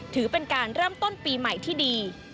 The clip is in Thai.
ถือเป็นการเริ่มต้นปีใหม่ที่ดี